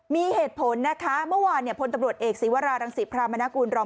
มีเหตุผลนะคะเมื่อวานพลตำรวจเอกศีวรารังศิพรามนากุลรอง